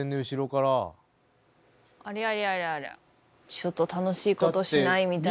ちょっと楽しいことしない？みたいな。